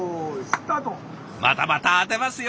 またまた当てますよ。